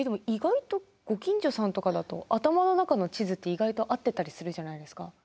意外とご近所さんとかだと頭の中の地図って意外と合ってたりするじゃないですか。